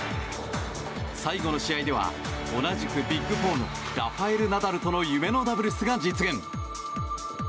最後の試合では同じくビッグ４のラファエル・ナダルとの夢のダブルスが実現。